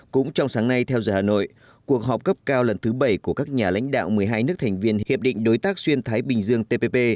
cũng trong sáng nay theo giờ hà nội cuộc họp cấp cao lần thứ bảy của các nhà lãnh đạo một mươi hai nước thành viên hiệp định đối tác xuyên thái bình dương tpp